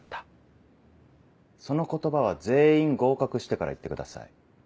その言葉は全員合格してから言ってください。